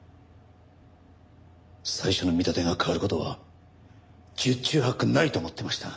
最初の見立てが変わる事は十中八九ないと思っていました。